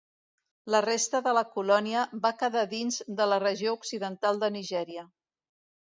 La resta de la colònia va quedar dins de la regió Occidental de Nigèria.